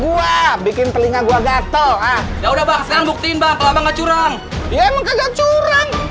gua bikin telinga gua gatel ah ya udah bakalan bukti bakal abang curang ya emang kagak curang